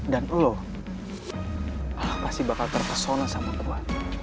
dan lo pasti bakal terpesona sama gue